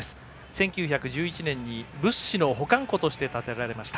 １９１１年に物資の保管庫として建てられました。